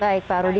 baik pak rudi